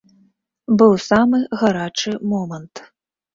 Быў самы гарачы момант.